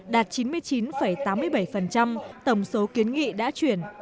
đạt chín mươi chín tám mươi bảy tổng số kiến nghị đã chuyển